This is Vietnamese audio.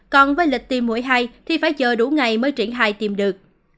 còn với lịch tiêm mũi hai thì phải chờ đủ ngày mới triển khai tìm được